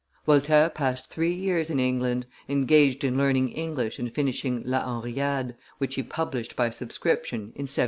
Voltaire passed three years in England, engaged in learning English and finishing La Henriade, which he published by subscription in 1727.